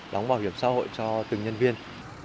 đóng bảo hiểm xã hội cho từng nhân viên